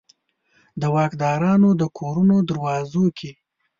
د واکدارانو د کورونو دروازو کې